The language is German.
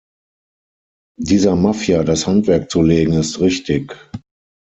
Dieser Mafia das Handwerk zu legen ist richtig.